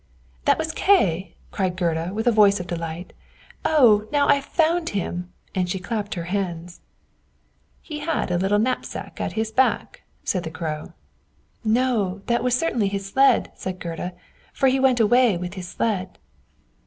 "That was Kay," cried Gerda, with a voice of delight. "Oh, now I've found him!" and she clapped her hands. "He had a little knapsack at his back," said the Crow. "No, that was certainly his sled," said Gerda; "for he went away with his sled."